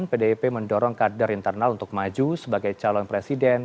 pdip mendorong kader internal untuk maju sebagai calon presiden